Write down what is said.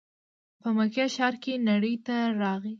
په مکې ښار کې نړۍ ته راغی.